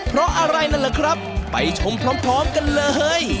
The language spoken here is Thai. เพราะอะไรนั่นแหละครับไปชมพร้อมกันเลย